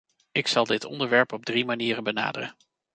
Ik zal dit onderwerp op drie manieren benaderen.